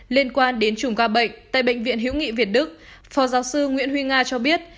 liên quan đến chùm ca bệnh tại bệnh viện hữu nghị việt đức phó giáo sư nguyễn huy nga cho biết